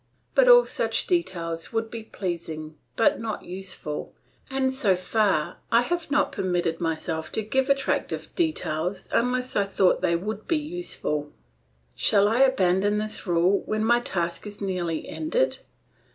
But all such details would be pleasing but not useful, and so far I have not permitted myself to give attractive details unless I thought they would be useful. Shall I abandon this rule when my task is nearly ended?